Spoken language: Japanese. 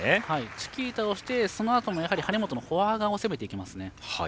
チキータをしてそのあと、張本もフォア側を攻めていきますね。